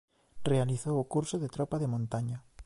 Realizou o curso de tropa de montaña.